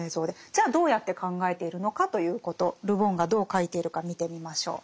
じゃあどうやって考えているのかということル・ボンがどう書いているか見てみましょう。